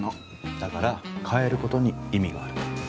だから変えることに意味がある。